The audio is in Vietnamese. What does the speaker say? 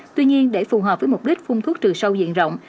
tuy nhiên để phù hợp với mục đích phun thuốc trừ sâu diện rộng